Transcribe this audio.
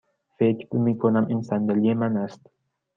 فکر می کنم این صندلی من است.